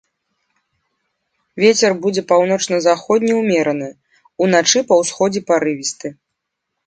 Вецер будзе паўночна-заходні ўмераны, уначы па ўсходзе парывісты.